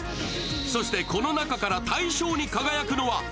そしてこの中から大賞に輝くのは？